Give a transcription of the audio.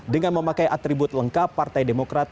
dengan memakai atribut lengkap partai demokrat